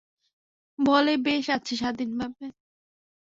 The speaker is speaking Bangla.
বলে, বেশ আছি স্বাধীনভাবে।